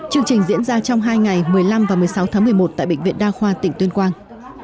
chương trình diễn ra trong hai ngày một mươi năm và một mươi sáu tháng một mươi một tại bệnh viện đa khoa tỉnh tuyên quang